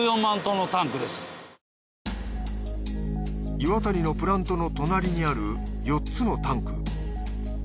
岩谷のプラントの隣にある４つのタンク。